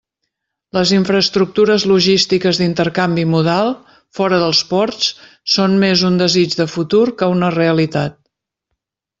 Les infraestructures logístiques d'intercanvi modal, fora dels ports, són més un desig de futur que una realitat.